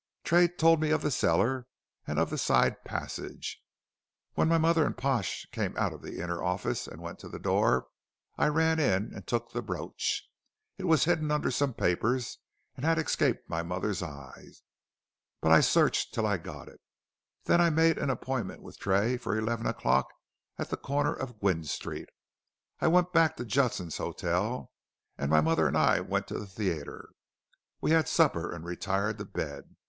"Tray told me of the cellar and of the side passage. When my mother and Pash came out of the inner office and went to the door, I ran in and took the brooch. It was hidden under some papers and had escaped my mother's eye. But I searched till I got it. Then I made an appointment with Tray for eleven o'clock at the corner of Gwynne Street. I went back to Judson's hotel, and my mother and I went to the theatre. We had supper and retired to bed.